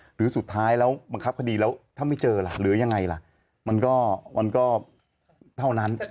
หรือสุดท้ายแล้วบังคับคดีแล้วถ้าไม่เจอล่ะหรือยังไงล่ะมันก็มันก็เท่านั้น